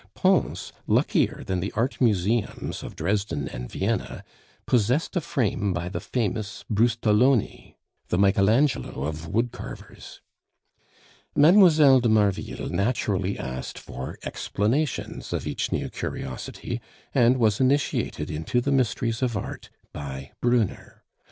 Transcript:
Pons, luckier than the art museums of Dresden and Vienna, possessed a frame by the famous Brustoloni the Michael Angelo of wood carvers. Mlle. de Marville naturally asked for explanations of each new curiosity, and was initiated into the mysteries of art by Brunner.